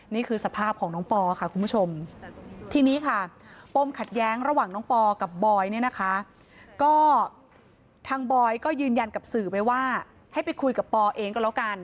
นี่คือสภาพของน้องปอค่ะคุณผู้ชมทีนี้ค่ะปมขัดแย้งระหว่างน้องปอกับบอยเนี่ยนะคะก็ทางบอยก็ยืนยันกับสื่อไปว่าให้ไปคุยกับปอเองก็แล้วกัน